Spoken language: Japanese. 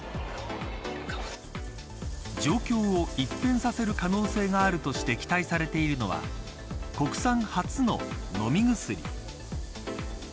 状況を一変させる可能性があるとして期待されているのは国産初の飲み薬。